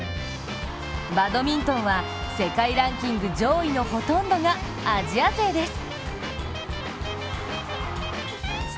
バドミントンは世界ランキング上位のほとんどがアジア勢です。